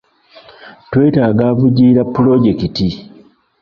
Twetaaga avujjirira pulojekiti.